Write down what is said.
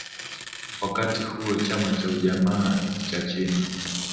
Wakati huo Chama cha ujamaa cha China